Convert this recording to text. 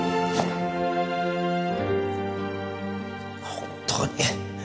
本当に